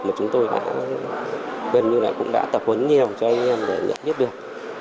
mà chúng tôi đã gần như là cũng đã tập huấn nhiều cho anh em để nhận biết được